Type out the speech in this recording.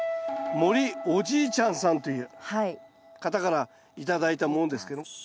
もりお爺ちゃんさんという方から頂いたものですけど。